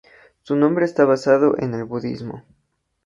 Su nombre está basado en el Budismo.